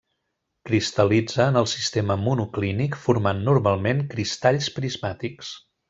Cristal·litza en el sistema monoclínic formant normalment cristalls prismàtics.